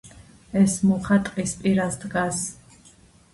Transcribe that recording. ეს მუხა ტს პირას დგას